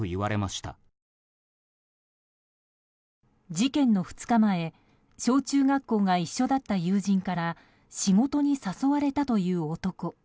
事件の２日前小中学校が一緒だった友人から仕事に誘われたという男。